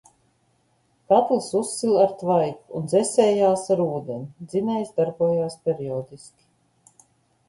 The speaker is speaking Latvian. Katls uzsila ar tvaiku un dzesējās ar ūdeni: dzinējs darbojās periodiski.